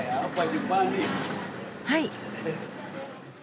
はい。